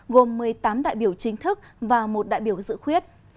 gồm một mươi tám đại biểu chính thức và một đại biểu dự khuyết